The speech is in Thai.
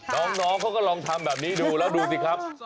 น้องเค้าก็ลองทำแบบนี้ดูนะดูติครับ